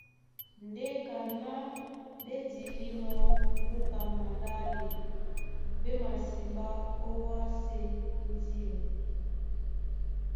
Ndé kaná ɓé dilínɔ̄ búka maɗále, ɓé masiɓá ówásē ó diɔ.